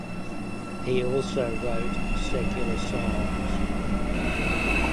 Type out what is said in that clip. He also wrote secular songs.